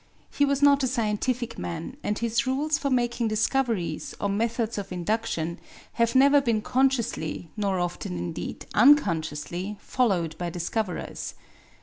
He was not a scientific man, and his rules for making discoveries, or methods of induction, have never been consciously, nor often indeed unconsciously, followed by discoverers.